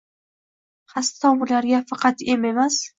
Xasta tomirlarga faqat em emas